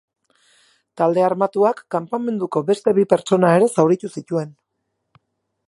Talde armatuak kanpamenduko beste bi pertsona ere zauritu zituen.